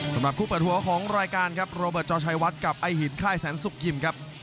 สำหรับคู่เปิดหัวของรายการครับโรเบิร์ตจอชัยวัดกับไอ้หินค่ายแสนสุกิมครับ